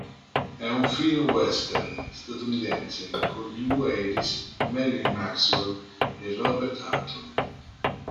È un film western statunitense con Lew Ayres, Marilyn Maxwell e Robert Hutton.